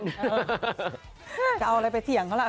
จะเอาอะไรไปเถียงเขาล่ะ